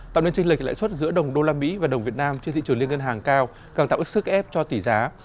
tạo nên trình lệch lãi suất giữa đồng đô la mỹ và đồng việt nam trên thị trường liên ngân hàng cao càng tạo ít sức ép cho tỷ giá